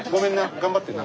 頑張ってな。